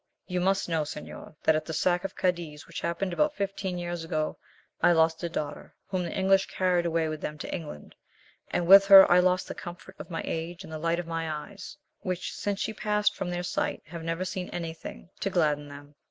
"You must know, señor, that at the sack of Cadiz which happened about fifteen years ago, I lost a daughter, whom the English carried away with them to England, and with her I lost the comfort of my age and the light of my eyes, which since she passed from their sight, have never seen anything to gladden them.